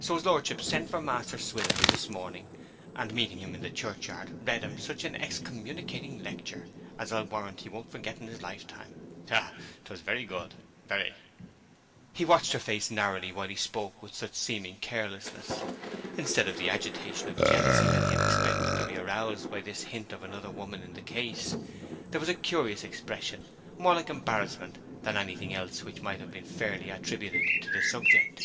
So his lordship sent for Master Swithin this morning, and meeting him in the churchyard read him such an excommunicating lecture as I warrant he won't forget in his lifetime. Ha ha ha! 'Twas very good, very.' He watched her face narrowly while he spoke with such seeming carelessness. Instead of the agitation of jealousy that he had expected to be aroused by this hint of another woman in the case, there was a curious expression, more like embarrassment than anything else which might have been fairly attributed to the subject.